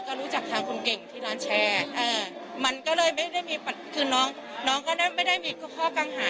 แต่กลับตัวเราก็ยังไม่ได้คุยกับเขามันเป็นเรื่องเวลา